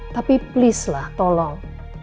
tapi please lah tolong